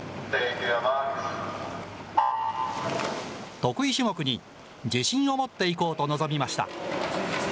得意種目に自信を持っていこうと臨みました。